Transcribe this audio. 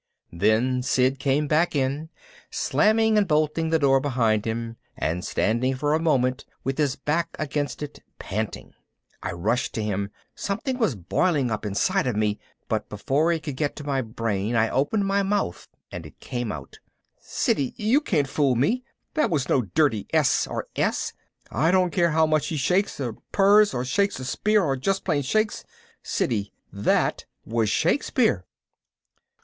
Then Sid came back in, slamming and bolting the door behind him and standing for a moment with his back against it, panting. I rushed to him. Something was boiling up inside me, but before it could get to my brain I opened my mouth and it came out as, "Siddy, you can't fool me, that was no dirty S or S. I don't care how much he shakes and purrs, or shakes a spear, or just plain shakes Siddy, that was Shakespeare!"